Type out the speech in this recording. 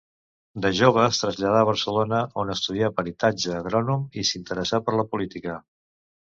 De jove es traslladà a Barcelona, on estudià peritatge agrònom i s'interessà per la política.